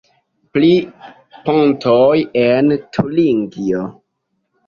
Pri pontoj en Turingio.